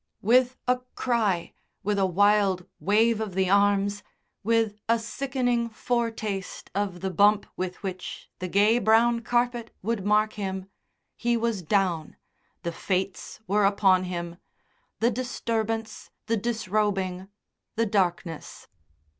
With a cry, with a wild wave of the arms, with a sickening foretaste of the bump with which the gay brown carpet would mark him, he was down, the Fates were upon him the disturbance, the disrobing, the darkness.